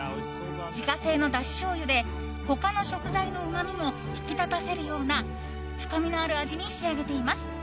自家製のだししょうゆで他の食材のうまみも引き立たせるような深みのある味に仕上げています。